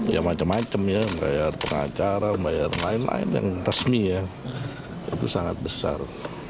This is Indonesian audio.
ya macam macam ya membayar pengacara membayar lain lain yang resmi ya itu sangat besar